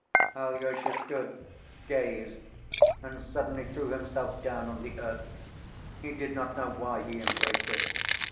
Alyosha stood, gazed, and suddenly threw himself down on the earth. He did not know why he embraced it.